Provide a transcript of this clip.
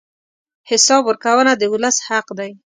حساب ورکونه د ولس حق دی.